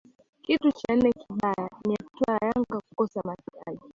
Kitu cha nne kibaya ni hatua ya Yanga kukosa mataji